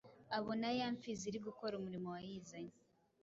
abona ya mfizi iri gukora umurimo wayizanye,